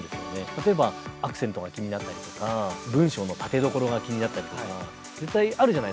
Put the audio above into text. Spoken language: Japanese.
例えばアクセントが気になったりとか、文章の立てどころが気になったりとか、絶対あるじゃない。